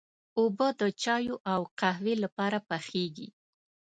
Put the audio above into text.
اوبه د چايو او قهوې لپاره پخېږي.